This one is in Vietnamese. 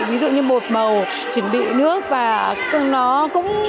ví dụ như bột màu chuẩn bị nước và nó cũng